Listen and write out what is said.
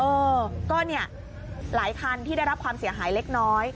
เออก็เนี่ยหลายคันที่ได้รับความเสียหายเล็กน้อย